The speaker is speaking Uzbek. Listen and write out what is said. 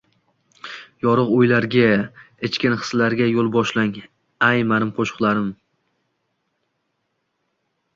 Yorugʻ oʻylarga, ichkin hislarga yoʻl boshlang, ay, mening qoʻshiqlarim...